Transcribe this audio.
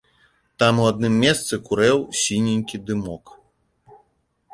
Там, у адным месцы, курэў сіненькі дымок.